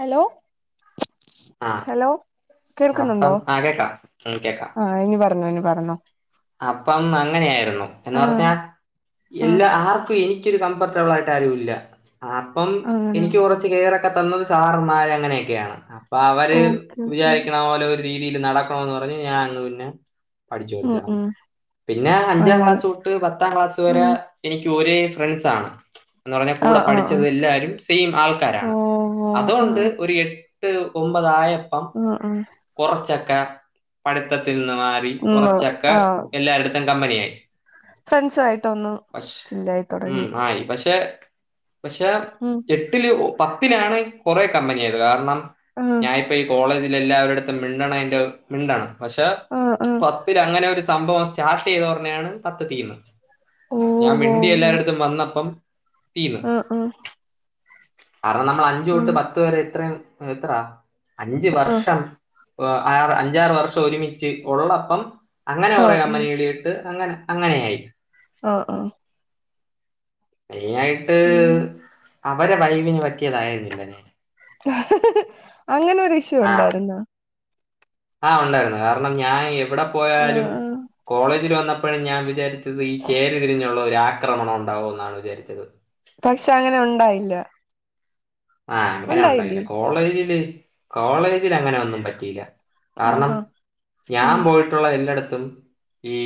Hello ആഹ് hello അപ്പം ആ കേക്കാം ആഹ് കേക്കാം ആ ഇനി പറഞ്ഞോ ഇനി പറഞ്ഞോ അപ്പം അങ്ങനെയാരുന്നു എന്ന് ആഹ് പറഞ്ഞ ആഹ് എല്ലാ ആർക്കും ഇനി ഇക്ക് കംഫർട്ടബിൾ ആയിട്ട് ആരും ഇല്ല അപ്പം അങ്ങനെ എനിക്ക് കുറച്ച് റൊക്കെ തന്നത് സാറമാര അങ്ങനെയൊക്കെയാണ് അപ്പോ അവര് ഓക്കെ ഓക്കെ വിചാരിക്ക്ണ പോലെ ഒര് രീതിയിൽ നടക്കണന്ന് പറഞ്ഞ് ഞാൻ അങ്ങ് പിന്നെ ഉം പഠിച്ചുഠിച്ചരുന്നു. ഉം പിന്നെ അഞ്ചാം അങ്ങനെ ക്ലാസ് തൊട്ട് പത്താം ക്ലാസ് വരെ ഉം എനിക്ക് ഒരേ ഫ്രണ്ട്സ ആണ്. എന്ന് പറഞ്ഞാ കൂടെ ആഹ് ആഹ് പഠിച്ചത് ആഹ് എല്ലാവാരും സെയിം ആൾക്കാരാണ് ഓഹ് ഓഹ് അതുകൊണ്ട് ആഹ് ഒരു എ എട്ട് ഒമ്പത് ആയം ആ ആ കുറച്ചൊക്കെ പഠിത്തത്തിൽ നിന്ന് മാറി ഉം കുറച്ചൊക്കെ ആഹ് എല്ലായിരുടത്തും കമ്പനിയായി. ഫ്രണ്ട്സു ആയിട്ടൊന്ന് പക്ഷ ചില്ലായി ഉം തൊടങ്ങി ആയി പക്ഷെ പക്ഷെ ഉം എട്ടില് പത്തിലാണ് കുറെ കമ്പനിയത് കാരണം ആഹ് ഞാനിപ്പ ഈ കോളേജിൽ എല്ലാവരുടെ അടുത്തും മിണ്ടണം അതിന്റെ മിണ്ടണം പക്ഷെ ആഹ് ആഹ് പ അ അങ്ങനെ ഒരു സംഭവം സ്റ്റാർട്ട് ചെയ്തോഞ്ഞാണ് പത്ത് തീർന്നത് ഞാൻ ഓഹ് മിണ്ടി ഓഹ് എല്ലായിടത്തും വന്നപ്പം തീന്നു ആഹ് ആഹ് കാരണം നമ്മൾ അഞ്ചു തൊട്ട് ആഹ് പത്ത് വരെ എത്രയും എത്രാ അഞ്ച് വർഷം അഞ്ചാറ് വർഷം ഒരുമിച്ച് ഉള്ളപ്പം അങ്ങനെ ആഹ് കുറെ ആഹ് കമ്പനി എളിട്ട് അങ്ങനെ അങ്ങനെയായി ആഹ ആ മെയിന ആയിട്ട് ഉം അവരെ വൈവിന് പറ്റിയതായിരുന്നില്ല ഞാന് അങ്ങനെൊ ഒരു ഇഷ്യു ഉണ്ടായിരുന്നോ ആഹ ഉണ്ടായിരുന്നു കാരണം ഞാൻ എവിടെ ആഹ് പോയാലും ആഹ് കോളേജിൽ വന്ന ഇപ്പോഴും ഞാൻ വിചാരിച്ചത് ഈ ചേരിതിരിഞ്ഞുള്ള ഒരു ആക്രമണം ഉണ്ടാവോ എന്നാണ് വിചാരിച്ചത്. പക്ഷെ അങ്ങനെ ഉണ്ടായില്ല ആഹ അങ്ങനെ ഉണ്ടായില്ല ഉണ്ടായില്ലേ കോളേജില് കോളേജിൽ അങ്ങനെ ഒന്നും പറ്റിയില്ല. കാരണം ആഹാ ഞാൻ ഉം പോയിട്ടുള്ള എല്ലായിടത്തും ഈ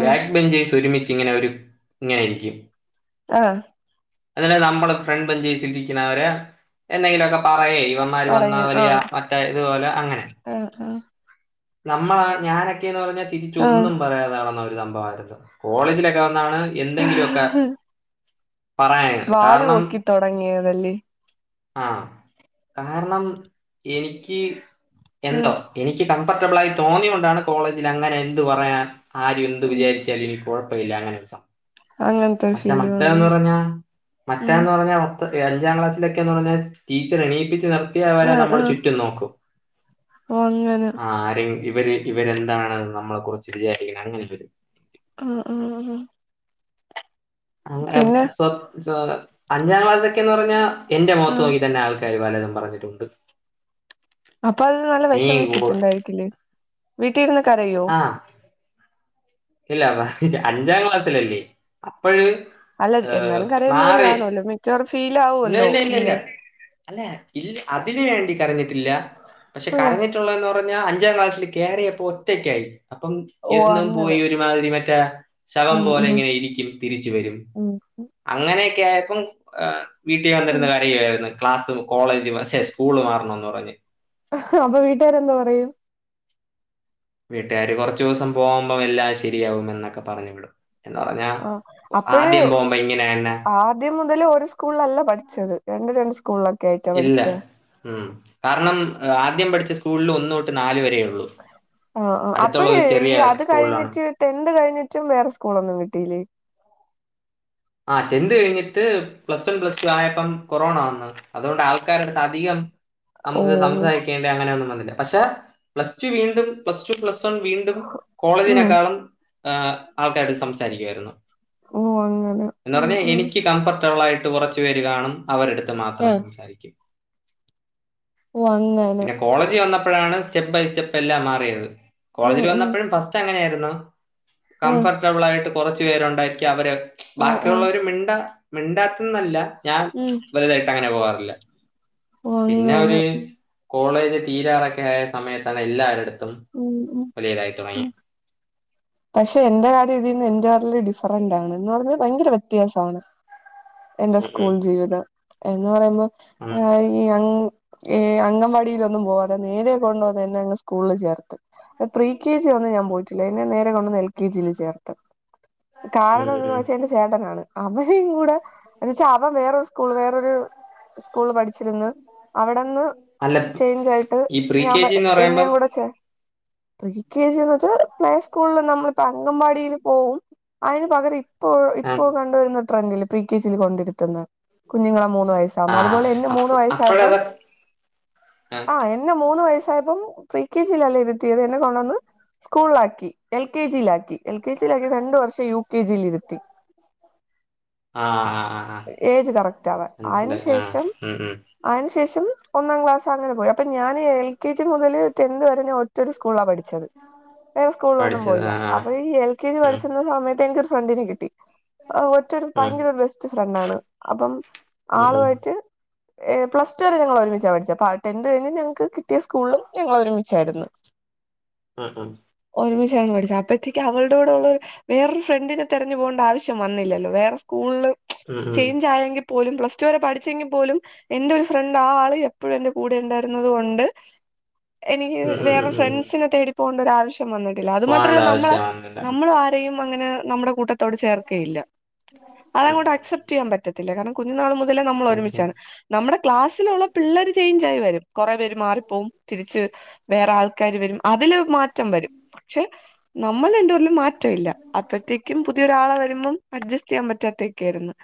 ആഹ് ബാക്ക് ബെഞ്ചീസ് ഒരുമിച്ച് ഇങ്ങനെ ഒരു ഇങ്ങനെയിരിക്കും ആഹ അതിന് നമ്മള് ഫ്രണ്ട്ും ജീവിച്ചിരിക്കുന്നവരെ എന്തെങ്കിലുമൊക്കെ പറയ ഇവ വന്ന വലിയ മറ്റേ ഇതുപോലെ അങ്ങനെ ആ ആ നമ്മള ഞാനൊക്കെയന്ന് പറഞ്ഞാൽ ആഹ് തിരിച്ചൊന്നും പറയാതാണുന്ന ഒരു സംഭവമായിരുന്നു കോളേജിലൊക്കെ വന്നാണ് എന്തെങ്കിലുമൊക്കെ ആഹ് പറയാനാണ് വാല് കാരണം പൊക്കി തൊടങ്ങിയതല്ലേ ആഹ കാരണം എനിക്ക് ആഹ് എന്തോ എനിക്ക് കംഫർട്ടബിൾ ആയി തോന്നിയൊണ്ടാണ് കോളേജിൽ അങ്ങനെ എന്ത് പറയാൻ ആരും എന്ത് ഉം വിചാരിച്ചാലും എനിക്ക് കുഴപ്പമില്ല അങ്ങനെ ദിവസം അങ്ങനത്തെ ഒരു പക്ഷ ഫീല് മറ്റേന്ന് വന്നു പറഞ്ഞാ ഉം മറ്റേന്ന് പറഞ്ഞാ ഇപ്പൊക്കെഅഞ്ചാ ക്ലാസിലൊക്കെന്ന് പറഞ്ഞാൽ ടീച്ചർ എണീപ്പിച്ച് നിർത്തിയവരെ നമ്മള് ചുറ്റും നോക്കും. ഓങ്ങനെ ആ ആരെ ഇവര് ഇവരെന്താണെന്ന് നമ്മളെ കുറച്ച് വിചാരിക്കണ അങ്ങനെര് ആഹ് ആ [unintelligible] അഞ്ചാ ക്ലാസ്സൊക്കെന്ന്പറഞ്ഞാ എന്റെ മോത്ത് ആഹ് നോക്കിറ്റന്നെ ആൾക്കാര്പലതും പറഞ്ഞിട്ടുണ്ട്. അപ്പൊഅത് നല്ല നീ വെഷം വെച്ചിട്ടുണ്ടായിരിക്കില്ലേ വീട്ടിൽ ഇരുന്ന് കരയോ? ആഹ് ഇല്ല അഞ്ചാ ക്ലാസ്സിലല്ലേ അപ്പഴ്‌ അല്ല ഏഹ് എന്നാലും കരയുന്നവര് മാറി കാണുവല്ലോ മിക്കവാറും ഫൈലാ ഇല്ലഇല്ലഇല്ലല്ല അല്ലേ ഇല്ല അതിന് വേണ്ടി കരഞ്ഞിട്ടില്ല ആഹ് പഷേകരഞ്ഞിട്ട് ട്ടൊള്ളെന്ന്പറഞ്ഞഅഞ്ചാക്ലാസില് കേറിയപ്പോ ഒറ്റക്ക്യായി അപ്പം ഓ എന്നും പോയി അങ്ങനെ ഒരു രിതിരി മറ്റേശവം ഉം പോലെ ഉം ഇങ്ങനെഇരിക്കും തിരിച്ച് വെരും ഉം അങ്ങനെയക്കെ ആയപ്പം ആഹ് വീട്ടി ഉം വന്നിരുന് കരയുവാരുന്നു ക്ലാസും, കോളേജ് ഷെ സ്കൂള് മാറണംന്ന് പറഞ്ഞ് അപ്പൊ വീട്ടാര് എന്ത്‌ പറയും വീട്ട്കാര് കൊറച്ചൂസം പോമ്പോ എല്ലാം ശരിയാകുമെന്നൊക്കെപറഞ് വിടും എന്ന് പറഞ്ഞാ ആഹ് ആദ്യം ബോമ്പോ ഇങ്ങനെയെന്ന ദ്യം മുതല് ഒര് സ്കൂളിലല്ല പഠിച്ചത് രണ്ട് രണ്ട് സ്കൂളില ഇല്ല ഉം കാരണം ആദ്യം പഠിച്ചസ്കൂള്ല് ഒന്നൊട്ട് നാല് വരെയൊള്ളൂ ആ ആഹ് അപ്പഴേ ഈ അത് സ്കൂളിലാണ് കഴിഞ്ഞിട്ട് ടെൻന്ത് കഴിഞ്ഞിട്ടും വേറെ സ്കൂളൊന്നും കിട്ടീല്ലേ ആഹ് ടെൻന്ത്‌ കെയ്ഞ്ഞിട്ട് പ്ലസ്വൺ പ്ലസ്ടു ആയപ്പം കൊറോണ വന്ന് അതോണ്ട് ആൾക്കാരെട്‌ത്ത് അധികം ഓ നമക്ക് സംസാരിക്കേണ്ടേ അങ്ങനെയൊന്നും വന്നില്ല പഷേ പ്ലസ്ടു വീണ്ടും പ്ലസ്ടു പ്ലസ് പ്പം വീണ്ടും ഉം കോളേജിനെക്കാളും ആഹ് ആൾക്കാരോട് സംസാരിക്കുവായിരുന്നു ഓ അങ്ങനെ എന്ന് ഉം പറഞ്ഞാ ഉം എനിക്ക് കംഫർട്ടബിൾ ആയിട്ട് കൊറച്ച് പേര്കാണും അവരെട്‌ത്ത് ആ മാത്രം സംസാരിക്കും ഓ അങ്ങനെ കോളേജിവന്നപ്പഴാണ് സ്റ്റെപ്പ്ബൈ സ്റ്റെപ്പെല്ലാം മാറിയത് ഉം കോളേജിൽ ഉം വന്നപ്പഴുംഫസ്റ്റ് അങ്ങനെയാര്ന്നു ആ കംഫർട്ടബിൾ ആയിട്ട് കൊറച്ച് പേരുണ്ടായിരിക്കും അവര് ആ ആ ബാക്കിയുള്ളവര് മിണ്ട മിണ്ടാത്ത് നല്ല ഞാൻ ഉം വലുതായിട്ട് അങ്ങനെ പോവാറില്ല ഓ പിന്നെ അങ്ങനെ ഒര് കോളേജ് തീരാറൊക്കെ ആയ സമയത്താണ് എല്ലാരെട്‌ത്തും ഉം ഉം വലിയതായിതൊടങ്ങി പഷെ എന്റെ കാര്യ ഇതിന്ന് എന്റെ കാട്ടിലും ഡിഫറന്റാണ് എന്ന് പറഞ്ഞാ ഭയങ്കര വെത്യാസാണ് എന്റെ സ്കൂൾ ജീവിതം എന്ന് പറയുമ്പോ [unintelligible] ഏ അംഗൻവാടിലൊന്നും പോവാതെ നേരെ കൊണ്ടൊന്നെ എന്നങ്ങ് സ്കൂളില് ചേർത്തു പ്രീ കെ ജിഒന്നും ഞാൻ പോയിട്ടില്ല എന്നെ നേരെ കൊണ്ടന്ന് എൽ കെ ജില് ചേർത്തു കാരണം എന്താന്ന് വെച്ച ചേട്ടനാണ് അവനും കൂടെ എന്ന് വെച്ചാ അവൻ വേറൊരു സ്കൂൾ വേറൊര് സ്കൂള് പഠിച്ചിരുന്ന് അവിടെന്ന് അല്ല ചേയ്ഞ്ചായിട്ട് ഈ പ്രീ കെ ഞാബ ജി എന്ന് എന്നേ പറയുമ്പം കുടെ ചേ പഠിക്കാൻ ചെന്ന്ട്ട് പ്ലെ സ് കൂള് നമ്മളിപ്പോ അഗംവാടില് പോവും അയ്ന് പകരം ഇപ്പോ ആ, ഇപ്പോ കൊണ്ടുവന്ന ട്രെൻഡില് പ്രികെജില്കൊണ്ടിരുത്തുന്ന കുഞ്ഞുങ്ങളെ മൂന്ന് വയസ് ആ അത്പോലെ എന്നെമൂന്ന് അപ്പ- വയസായപ്പോ അപ്പോഴത് ആ എന്നെ ന്നെ മൂന്ന് വയസായപ്പം പ്രീ കെ ജിയിലല്ലഇരുത്തിയത് എന്നെ കൊണ്ടന്ന് സ്കൂളാക്കി എൽ കെ ജി ലാക്കി എൽ കെ ജി കയിഞ്ഞ് രണ്ട് വർഷം യു കെ ജി ല് ഇരുത്തി ആ ആ, ആ, ഏജ് കറക്റ്റ് ആവാൻ മനസ്സിലായി ആ ആയ്ന്ശേഷം ഉം, ഉം. അയ്ന്ശേഷം ഒന്നാക്ലാസ് അങ്ങനെ പോയി അപ്പൊ ഞാന് എൽ കെ ജി മുതല് ടെൻത് വരെ ഞാ ഒറ്റൊരു സ്കൂളില പഠിച്ച് സ്കൂളിലൊന്നും പഠിച്ചത് പോയില്ല ആ ആ അപ്പോ ഈ എൽ കെ ജി ഉം, പഠിക്കുന്ന സമയത്ത് എനിക്ക് ഒരു ഫ്രണ്ടിനെ കിട്ട ഒറ്റൊരു ഉം. ഭയങ്കര ഒരു ബെസ്റ്റ് ഫ്രണ്ട് ആണ് അപ്പം ഉം ഉം ആളുവായിറ്റ് പ്ലസ്സ്ടു വരെ ഞങ്ങൾ ഒരുമിച്ചാ പഠിച്ചെ ടെൻത് കഴിഞ്ഞ് ഞങ്ങൾക്ക് കിട്ടിയ സ്കൂളും ഞങ്ങൾ ഒരുമിച്ചായിരുന്നു ഉം ഉം ഒരുമിച്ചാണ് പഠിച്ചത് അപ്പോഴത്തേക്ക് അവൾടെ കൂടെ ഉള്ള ഒരു വേറൊരു ഫ്രണ്ടിനെ തെരഞ്ഞ് പോവണ്ട ആവശ്യം വന്നില്ലല്ലോ വേറെ സ്കൂൾള് ഉം ഉം ചൈഞ്ചായെങ്കി പോലും പ്ലസ്ടു വരെ പഠിച്ചെങ്കി പോലും എന്റെ ഒരു ഫ്രണ്ട് ആ ആള് എപ്പഴും എന്റെ കൂടെ ഇണ്ടായിര്ന്നത് കൊണ്ട് എനിക്ക് ഉം വെ ഉം വേറെ ഉം ഉം ഫ്രണ്ട്സിനെ തേടി പോവണ്ട ഒരാവശ്യം വന്ന്ട്ടില്ല അത് മാത്രല്ല പോവണ്ട നമ്മളെ ആവശ്യം വന്നില്ല നമ്മള് ആ ആരെയും അങ്ങനെ നമ്മടെ കൂട്ടത്തോട് ചേർക്കെയില്ല അത് ഉം ഉം അങ്ങോട്ട് ഉം. അക്സെപ് റ്റിയ്യാൻ പറ്റത്തില്ല കാരണം കുഞ്ഞുനാൾ മുതലേ നമ്മള് ഓക്കെ ഒരുമിച്ചാണ് നമ്മടെ ക്ലാസ്സിലുള്ള പിള്ളേര് ചൈഞ്ചായി വെരും കാെറേ പേര് മാറിപ്പോവും തിരിച്ച് വെരും വേറെ ആൾക്കാര് വെരും അതിലും മാറ്റം വരും പക്ഷെ നമ്മള് രണ്ട്പേര്ലും മാറ്റം ഇല്ല അപ്പഴ്ത്തേക്കും പുതിയൊരാളെ വരുമ്പം അഡ്ജസ്റ്റ് ചെയ്യാൻ പറ്റാത്ത ഒക്കെയേര്ന്നു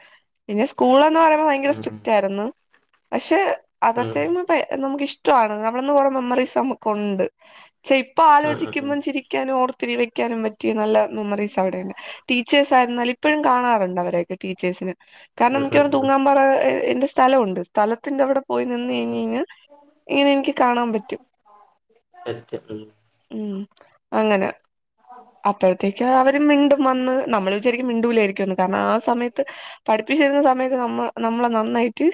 പിന്നെ സ്കൂൾന്ന് പറയുമ്പാെ ഭയങ്കര ഉം ഉം സ്ട്രിക്റ്റായിരുന്നു പക്ഷെ അതർ ഉം ഉം ടൈമ് ഇപൈ നമുക്ക് ഇഷ്ടവാണ് നമ്മള്ന്ന് കാെറേ മെമ്മറീസ് നമു ക്കുണ്ട് പക്ഷെ ഇപ്പ ഉം ആലോചി ഉം ഉം രിക്കാനും ഓർത്തിരി വെക്കാനും പറ്റിയ നല്ല മെമ്മറീസ് അവിടെയുണ്ട് ടീച്ചേഴ്സ് ആയിര്ന്നാല് ഇപ്പഴും കാണാറുണ്ട് അവരയെക്കെ ടീച്ചേഴ്സിന് കാരണം ഉം ഉം മിക്കവാറും ഉം തൂങ്ങാൻപറ എന്റെ സ്ഥലവുണ്ട് സ്ഥലത്തിന്റെ അവടെ പോയി നിന്ന് ഉം കെയിഞ്ഞൈഞ്ഞാ ഇങ്ങനെ എനിക്ക് കാണാൻ പറ്റും നെറ്റ് ഉം ഉം അങ്ങനെ അപ്പഴത്തേക്കത് അവര് മിണ്ടും വന്ന് നമ്മള് വിചാരിക്കും മിണ്ടൂലേര്ക്കുംന്ന് കാരണം ആ സമയത്ത് പഠിപ്പിച്ചിര്ന്ന സമയത്ത് നമ്മള് നമ്മളെ നന്നായി റ്റ്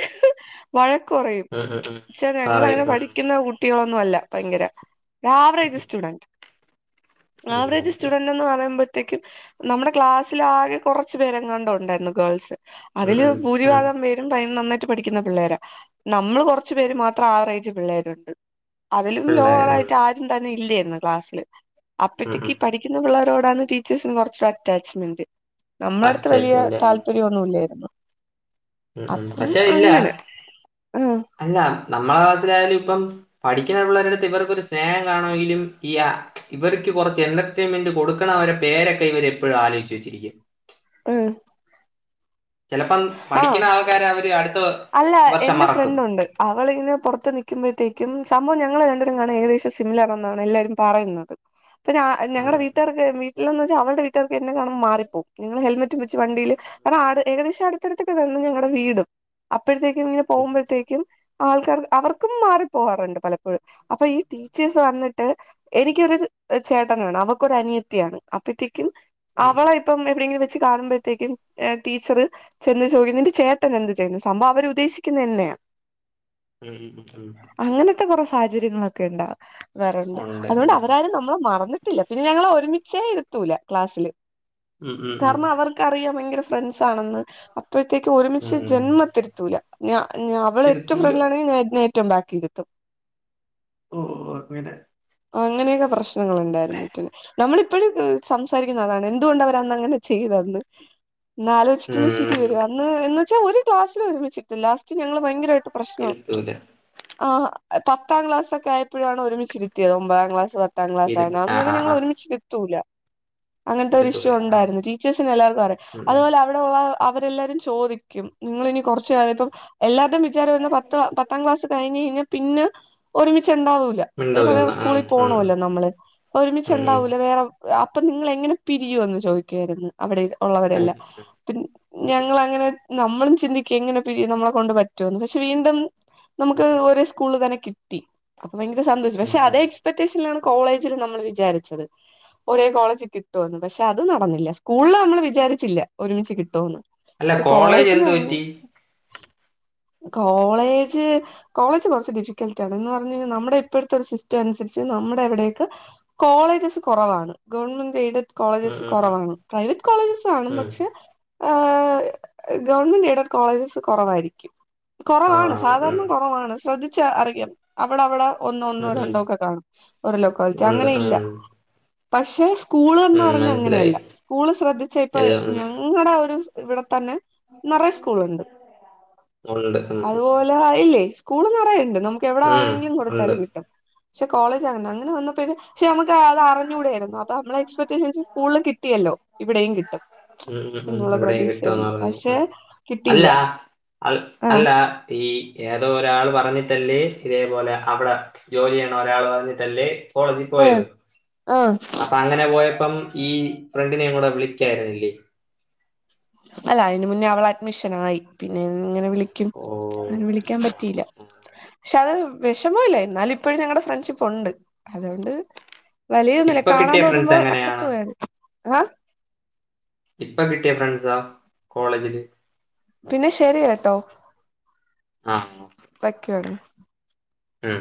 വഴക്ക് പറയും ഉം ഉം ഉം ച്ചെ ഞങ്ങള് അങ്ങനെ പറയും ഉം പഠിക്കുന്ന കു ട്ടിയോളൊന്നും അല്ല ഭയങ്കര ഉം ഒരാവറേജ് ഉം. സ്റ്റുഡന്റ് ഉം, ആവറേജ് മനസ്സിലായി സ്റ്റുഡന്റെന്ന് പറയുമ്പഴ് ത്തേക്കും നമ്മടെ ക്ലാസ്സില് ആകെ കാെറച്ച് പേരെങ്ങാണ്ടൊ ഉണ്ടായിരുന്നു ഗേൾസ് ഉം അതില് ഉം ഉം ഭൂരിഭാഗം പേരും ഭയന്ന് നന്നായിട്ട് പഠിക്ക്ന്ന പിള്ളേരാ നമ്മള് കാെറച്ചു പേര് മാത്രം ആവറേജ് പിള്ളേരുണ്ട് അതിലും പിള്ളേര് ഉം ലോവറായിട്ട് ഉം ആരും തന്നെ ഇല്ലേര്ന്നു ക്ലാസ്സ്ല് അപ്പഴ്ത്തേക്ക് ഉം പഠി ക്ക്ന്ന പിള്ളേരോടാണ് ടീച്ചേഴ്സിന് കാെറച്ച് അറ്റാച്ച്മെന്റ് നമ്മളട്ത്ത് വെലിയ അച്ചച്ചന്റെ ഉം താല്പര്യ ഒന്നുംഇല്ലേര്ന്നു ഉം ഉം അപ്പം പക്ഷെ ഇല്ല അങ്ങനെ ആഹ് അല്ല നമ്മളെ ക്ലാസ്സിലായാലും ഇപ്പം പഠിക്ക്ന് പിള്ളേരെട്ത്ത് ഇവർക്കൊരു സ്നേഹം കാണുവെങ്കിലും ഈ ആ ഇവർക്ക് കാെറച്ച് എന്റർടൈൻമെന്റ് കൊടുക്കണവരെ പേരെക്കെ ഇവര് എപ്പഴും ആലോയിച്ചു വെച്ചിരിക്കും ഉം ചെലപ്പം ആ പഠിക്ക്ന്ന ആൾക്കാരെ അവര് അട്ത്തതോ അല്ല എന്റെ ഫ്രണ്ടുംഉണ്ട് അവളിങ്ങനെ പാെറത്ത് നിക്കുമ്പഴ്ത്തേക്കും സമ്പവം ഞങ്ങളെ രണ്ടുപേരും കാണാൻ ഏകദേശം സിമിലർ എന്നാണ് എല്ലവരും പറയുന്നത് ഇപ്പ ഞാ ഞങ്ങൾടെ ഉം വീട്ടുകാർ അതെ വീട്ട്ലെന്നാവെച്ചാ അവൾടെ വീട്ട്കാർക്ക് എന്നെ കാണുമ്പൊ മാറിപ്പോവും ഞങ്ങള് ഹെൽമറ്റും വെച്ച് വണ്ടിയില് ഒരാട് ഏകദേശം അട്ത്തട്ത്തെക്കെ തന്നെ ഞങ്ങളടെ വീടും അപ്പഴ്ത്തേക്കും ഇങ്ങനെ പോവുമ്പഴ്ത്തേക്കും ആൾക്കാർക്ക് അവർക്കും മാറി പോവാറ്ണ്ട് പലപ്പഴും അപ്പൊ ഈ ടീച്ചേഴ്സ് വന്ന്ട്ട് എനിക്കൊരു ചേട്ടനാണ് അവക്കൊരു അനിയത്തിയാണ് അപ്പഴ്ത്തേക്കും ഉം അവളായി ഇപ്പം എവിടെയങ്കിലും വെച്ച് കാണുമ്പഴ്ത്തേക്കും ഏഹ് ടീച്ചറ് ചെന്ന് ചോദിക്കും നിന്റെ ചേട്ടൻ എന്ത് ചെയ്യുന്നു സംഭവം അവര് ഉദ്ദേശിക്കുന്നത് എന്നെയാ ഉം ഉം ഉം ഉം അങ്ങനത്തെ കാെറേ സാഹചര്യങ്ങളൊക്കെ ഉണ്ടാകാറുണ്ട് ഉണ്ട് ഉം അതുകൊണ്ട് അവരാരും നമ്മളെ മറന്ന് ട്ടില്ല പിന്നെ ഞങ്ങളെ ഒരുമിച്ചേ ഇരുത്തൂല ക്ലാസ്സില് ഉം ഉം കാരണം അവർ കറിയ ഭയങ്കര ഫ്രണ്ട്സാണെന്ന് അപ്പോഴത്തേക്ക് ഒരുമിച്ച് ഉം ഉം ജന്മ ഇര്ത്തൂല ഞ ഞ അവള ഏറ്റവും ഇരുത്തൂല ഫ്രണ്ടിലാണെങ്കിൽ ഞ ഞ ഏറ്റവും ബാക്കിലെത്തും ഓ ഓ അങ്ങനെ അങ്ങനെയൊക്കെ പ്രശ്നങ്ങൾ ഉണ്ടായിരുന്നിട്ടന് നമ്മളിപ്പോഴും സംസാരിക്കുന്ന അതാണ് എന്തുകൊണ്ട് അവർ അന്നങ്ങനെ ചെയ്തന്ന് ഇന്നാലോചിക്കുമ്പോ ചി ഉം [unintelligible] അന്ന് എന്ന് വെച്ചാ ഒരു ക്ലാസ്സൽ ഒരുമിച്ചിട്ട് ലാസ്റ്റ് ഞങ്ങള് ഭയങ്കരമായിട്ട് പ്രശ്ന ഇരുത്തൂല ആഹ് പത്താംക്ലാസക്കെ ആയപ്പോഴാണ് ഒരുമിച്ചിരുത്തിയത് ഒമ്പതാം ക്ലാസ് പത്താം ഇരു ക്ലാസ്സാണ് ആ അന്നേര ആ ഞങ്ങളെ ആ ഒരുമിച്ച് എത്തൂല അങ്ങനത്തെ ഒരു ഇഷ്യൂ ഇരുത്തൂല ആ ഉണ്ടായിരുന്നു ടച്ചേഴ്സിന എല്ലാവക്കുംറിയ ഉം അതു പോലെ അ ടെള്ള അവരെല്ലാരും ചോദിക്കും നിങ്ങ ഇനി കൊറച്ചയപ്പം എല്ലര്ടേം വിചാരം വന്ന് പത്ത് പത്താം ക്ലാസ് കഴിഞ്ഞ് കഴിഞ്ഞാ പിന്നെ ഒരുമിച്ചുണ്ടാവൂല്ല വേറെ വേറെ മിണ്ടൂലന്ന് ഉം സ്കൂളിൽ പോകണല്ലോ നമ്മള് ഉം ഒരുമിച്ച്ണ്ടാവൂല വേറെ അപ്പൊ നിങ്ങള എങ്ങനെ പിരിയൂ എന്ന് ചോദിക്കായിരുന്നു അവിടെ ഉം ഉള്ളവരെല്ലാം പി ഞങ്ങളങ്ങനെ നമ്മളും ചിന്തിക്കും എങ്ങനെ പിരിയും നമ്മളെ കൊണ്ട് പറ്റുവോന്ന് പക്ഷെ വീണ്ടും നമുക്ക് ഉം ഒരേ സ്കൂളിൽ തന്നെ കിട്ടി അപ്പൊ ഭയങ്കര സന്തോഷം ഉം ഉം പക്ഷെ അതെ ഉം എസ്പെറ്റേഷൻലണ് കോളേജിലും നമ്മൾ വിചാരിച്ചത് ഒരേ കോളേജ് കിട്ടുമന്ന് പക്ഷെ അത് നടന്നില്ല സ്കൂളിൽ നമ്മൾ വിചാരിച്ചില്ല ഒരുമിച്ച് കിട്ടുമന്ന് അല്ല ഷേ കോളേജ് എന്ത് കോളേജിലാണ് പറ്റി കോളേജ് കോളേജ് കുറച്ച് ഡിഫിക്കൽട്ടാണ് എന്ന് പറഞ്ഞു കഴിഞ്ഞാ നമ്മുടെ ഇപ്പോഴത്തെ സിസ്റ്റംനുരിച്ച് നമ്മുടെ അവിടേക്ക് കോളേജസ് കുറവാണ് ഗവൺമെന്റ് എയ്ഡ ഉം കോളേജസ് ഉം ഉം കുറാണ് പ്രൈവറ്റ് കോളേജസ് കാണും ഉം പക്ഷെ ഗവൺമെന്റ് എയ്ഡ കോളേജസ് കുറവായിരിക്കും കുറവാണ് സാധാരണ കുറവാണ് ശ്രദ്ധിച്ച അറിയാം അവിടെ അവിടെ ഒന്നോ ഒന്നോ ഉം ഉം രണ്ടോ ഒക്കെ കാണും ഓര ലോക്ക ഉണ്ട് അങ്ങനെ ഇല്ല ഉം പക്ഷെ സ്കൂള്ന്ന് ഉം പറഞ്ഞ മനസ്സിലായി അങ്ങനെയല്ല സ്കൂള് ശ്രദ്ധിച്ച ഇപ്പൊ എല്ലാം ഉം ഞങ്ങടെ ഒരു ഇവിടെ തന്നെ നറയ സ്കൂളുണ്ട് ഉണ്ട് ഉ ഉ ഇയാളായില്ലേ സ്കൂൾ നിറയേണ്ട് നമുക്ക് എവിടെ ഉം ആണെങ്കിലും കൊടുത്താല് ഉണ്ട് കിട്ടും പക്ഷെ കോളേജ് അങ്ങനാ അങ്ങനെ വന്നപ്പേക് പക്ഷെ നമുക്ക് അതറിഞ്ഞുടെയിരുന്നു അപ്പോ നമ്മള എക്സ്പെക്ഷൻസ് സ്കൂളിൽ കിട്ടിയല്ലോ ഇവിടെയും കിട്ടും ഉ ഉ ഉ എന്നുള്ള ഇവിടെ കിട്ടുംന്ന് പ്രതീക്ഷയായിരുന്നു പറഞ്ഞ് പക്ഷെ അല്ല കിട്ടിയില്ല ആഹ് അല്ല ഈ ഏതോ ഒരാൾ പറഞ്ഞിട്ടല്ലേ ഇതേപോലെ അവിടെ ജോലിയാണ് ഒരാൾ പറഞ്ഞിട്ടല്ലേ കോളേജിൽ ആഹ് പോയത് ആഹ് അപ്പൊ അങ്ങനെ പോയപ്പം ഈ ഫ്രണ്ടിനെകൂടെ വിളിക്കായിരുന്നില്ലേ അല്ല അയിന് മുന്നേ അവള് അഡ്മിഷനായി പിന്നെ എങ്ങനെ വിളിക്കും ഓ അങ്ങനെ വിളിക്കാൻ പറ്റ് റ്റീലാ ക്ഷെ അത് വിഷമോല്ല എന്നാല ഇപ്പോഴും ഞങ്ങളടെ ഫ്രണ്ട്ഷിപ്പ് ഉണ്ട് അതുകൊണ്ട് വലിയൊന്നുല്ല ഇപ്പൊ കാണാൻ കിട്ടിയ തോന്നുമ്പോ ഫ്രണ്ട്സ് അപ്പുറത്ത എങ്ങനെയാണ് പോയര്ന്ന് ആ ഇപ്പൊ കിട്ടിയ ഫ്രണ്ട്സാ കോളേജില് പിന്നെ ശരി കേട്ടോ ആഹ് വക്യാണേ ഉം